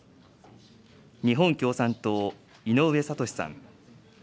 日本共産党、井上哲士さん。